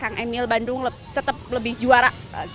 kang emil bandung tetap lebih juara